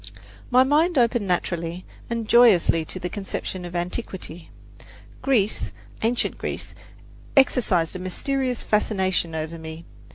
My mind opened naturally and joyously to a conception of antiquity. Greece, ancient Greece, exercised a mysterious fascination over me.